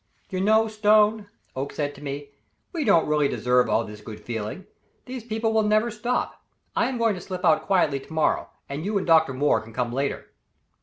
"You know, Stone," Oakes said to me, "we really don't deserve all this good feeling; these people will never stop. I am going to slip out quietly tomorrow, and you and Dr. Moore can come later."